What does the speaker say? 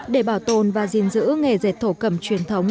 để bảo tồn và gìn giữ nghề dệt thổ cẩm truyền thống